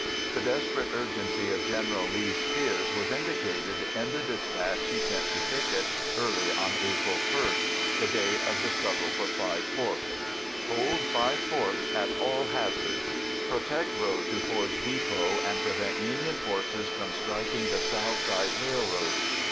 The desperate urgency of General Lee's fears was indicated in the dispatch he sent to Pickett early on April 1, the day of the struggle for Five Forks: "Hold Five Forks at all hazards. Protect road to Ford's Depot and prevent Union forces from striking the south side railroad.